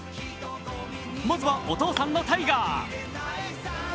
まずはお父さんのタイガー。